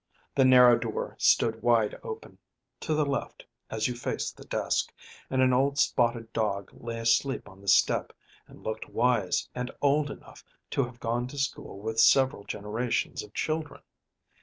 The narrow door stood wide open, to the left as you faced the desk, and an old spotted dog lay asleep on the step, and looked wise and old enough to have gone to school with several generations of children.